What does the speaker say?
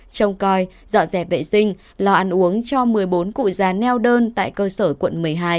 trông coi dọn dẹp vệ sinh lò ăn uống cho một mươi bốn cụ già neo đơn tại cơ sở quận một mươi hai